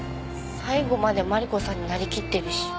最後までマリコさんになりきってるし。